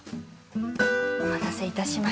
お待たせいたしました。